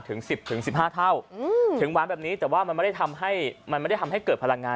ถึง๑๐๑๕เท่าถึงหวานแบบนี้แต่ว่ามันไม่ได้ทำให้เกิดพลังงาน